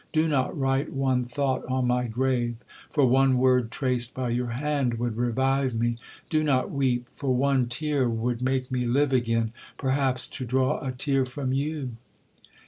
—Do not write one thought on my grave, for one word traced by your hand would revive me. Do not weep, for one tear would make me live again, perhaps to draw a tear from you.'